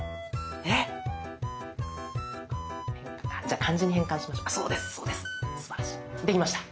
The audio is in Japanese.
じゃ漢字に変換しましょう。